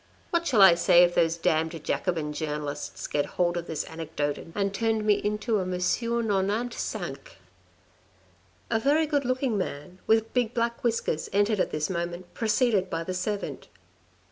What shall I say if those damned Jacobin journalists get hold of this anecdote, and turn me into a M. Nonante Cinque." A very good looking man, with big black whiskers, entered at this moment, preceded by the servant.